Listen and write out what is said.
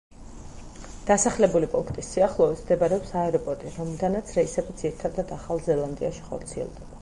დასახლებული პუნქტის სიახლოვეს მდებარეობს აეროპორტი, რომლიდანაც რეისები ძირითადად ახალ ზელანდიაში ხორციელდება.